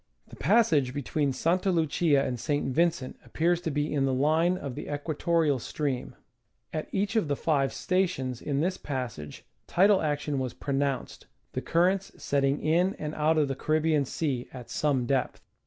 The passage between Santa Lucia and St. Vincent appears to be in the line of the equatorial stream. At each of the five sta tions in this passage tidal action was pronounced, the currents setting in and out of the Caribbean Sea at some depth.